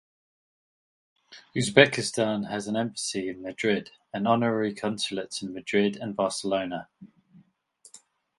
Uzbekistan has an embassy in Madrid and honorary consulates in Madrid and Barcelona.